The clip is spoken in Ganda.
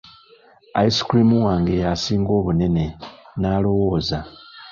Ice cream wange yasinga obunene, n'alowooza.